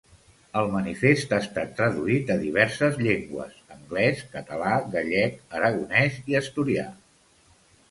El manifest ha estat traduït a diverses llengües: anglès, català, gallec, aragonès i asturià.